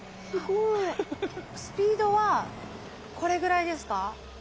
スピードはこれぐらいですか？